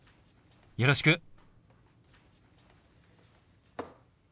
よろしく。